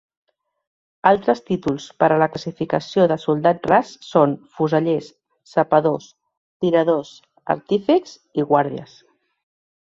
Altres títols per a la classificació de soldat ras són fusellers, sapadors, tiradors, artífex i guàrdies.